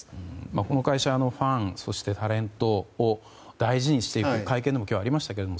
この会社はファンそしてタレントを大事にしていくと今日の会見でもありましたけれども。